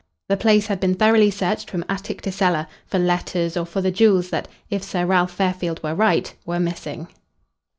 The place had been thoroughly searched from attic to cellar, for letters or for the jewels that, if Sir Ralph Fairfield were right, were missing.